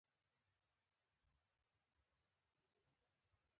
یوې ډوډۍ باندې معموره